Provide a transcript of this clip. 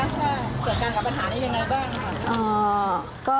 ถ้าเกิดกันกับปัญหาอีกอย่างไรบ้างค่ะ